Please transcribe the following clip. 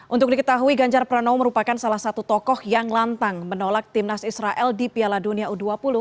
untuk diketahui ganjar pranowo merupakan salah satu tokoh yang lantang menolak timnas israel di piala dunia u dua puluh